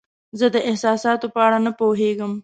زه د احساساتو په اړه نه پوهیږم.